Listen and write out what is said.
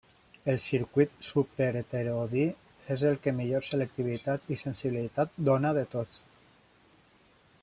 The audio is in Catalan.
El circuit superheterodí és el que millor selectivitat i sensibilitat dóna de tots.